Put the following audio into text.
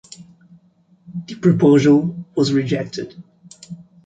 The proposal was rejected.